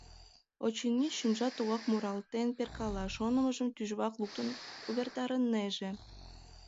Очыни, шӱмжат тугак муралтен перкала, шонымыжым тӱжвак луктын увертарынеже.